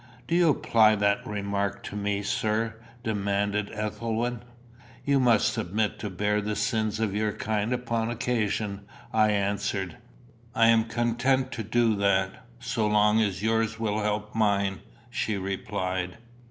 "Do you apply that remark to me, sir?" demanded Ethelwyn. "You must submit to bear the sins of your kind upon occasion," I answered. "I am content to do that, so long as yours will help mine," she replied.